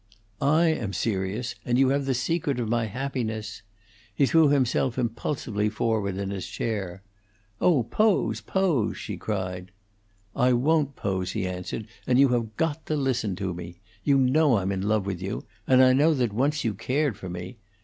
"I am serious; and you have the secret of my happiness " He threw himself impulsively forward in his chair. "Oh, pose, pose!" she cried. "I won't pose," he answered, "and you have got to listen to me. You know I'm in love with you; and I know that once you cared for me.